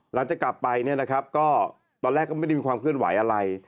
หลังจากกลับไปตอนแรกก็ไม่มีความเคลื่อนไหวอะไร